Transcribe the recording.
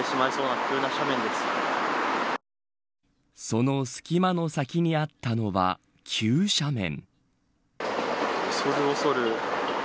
その隙間の先にあったのは急斜面。